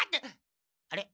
あれ？